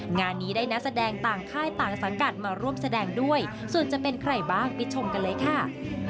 งานนี้ได้นักแสดงต่างค่ายต่างสังกัดมาร่วมแสดงด้วยส่วนจะเป็นใครบ้างไปชมกันเลยค่ะ